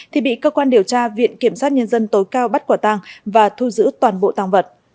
thì bị cơ quan điều tra viện kiểm sát nhân dân tối cao bắt quả tàng và thu giữ toàn bộ tàng vật